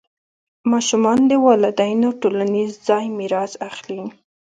ماشومان د والدینو ټولنیز ځای میراث اخلي.